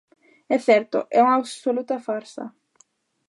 É certo, é unha absoluta farsa.